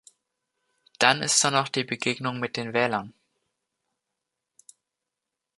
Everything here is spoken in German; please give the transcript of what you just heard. Dann ist da noch die Begegnung mit den Wählern.